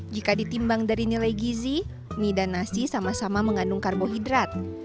jika ditimbang dari nilai gizi mie dan nasi sama sama mengandung karbohidrat